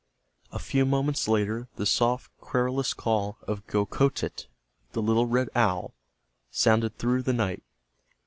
A few moments later the soft querulous call of Gokhotit, the little red owl, sounded through the night.